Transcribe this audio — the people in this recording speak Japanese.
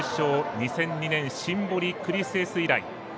２００２年シンボリクリスエス以来。